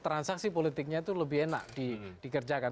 transaksi politiknya itu lebih enak dikerjakan